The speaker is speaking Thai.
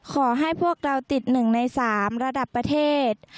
ขอให้พวกเราติดหนึ่งในสามระดับประเทศ